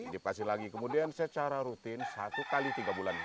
divaksin lagi kemudian secara rutin satu kali tiga bulan